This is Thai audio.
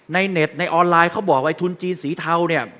เน็ตในออนไลน์เขาบอกว่าทุนจีนสีเทาเนี่ย